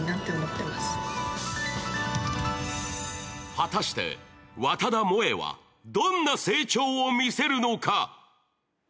果たして、和多田萌衣はどんな成長を見せるのか？